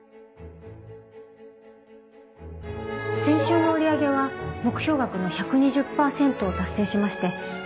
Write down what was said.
先週の売り上げは目標額の１２０％を達成しまして。